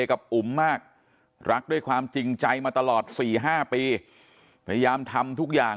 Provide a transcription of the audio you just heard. กับอุ๋มมากรักด้วยความจริงใจมาตลอด๔๕ปีพยายามทำทุกอย่าง